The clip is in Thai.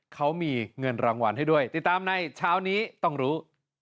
เขามีเงินรางวัลให้ด้วยติดตามในเช้านี้ต้องรู้